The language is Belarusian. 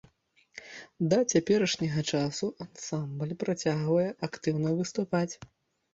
Да цяперашняга часу ансамбль працягвае актыўна выступаць.